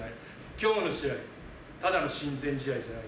きょうの試合、ただの親善試合じゃない。